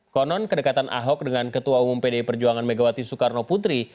konon kedekatan ahok dengan ketua umum pdi perjuangan megawati soekarno putri